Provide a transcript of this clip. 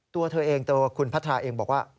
ตัวเธอเองตัวคุณพัทราเองบอกว่า